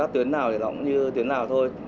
tuyến nào thì nó cũng như tuyến nào thôi